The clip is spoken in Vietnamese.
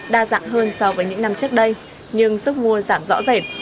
đa dạng hơn so với những năm trước đây nhưng sức mua giảm rõ rệt